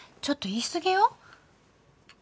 ちょっと言いすぎよ。